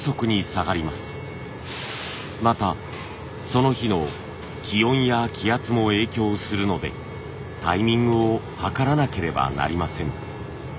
またその日の気温や気圧も影響するのでタイミングを計らなければなりません。